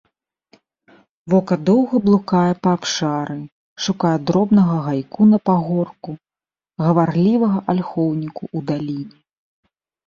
Вока доўга блукае па абшары, шукае дробнага гайку на пагорку, гаварлівага альхоўніку ў даліне.